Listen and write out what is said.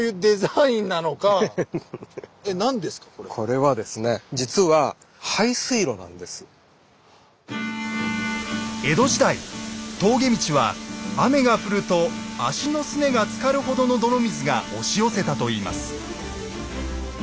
これはですね江戸時代峠道は雨が降ると足のすねがつかるほどの泥水が押し寄せたといいます。